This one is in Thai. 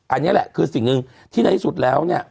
อันนี้แหละคือสิ่งหนึ่งที่ในที่สุดแล้วเนี่ย